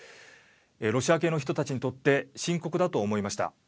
ロシア系の人たちにとって深刻だと思いました。